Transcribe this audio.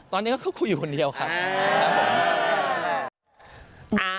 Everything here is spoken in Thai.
ตอนนี้ก็คุยอยู่คนเดียวครับผม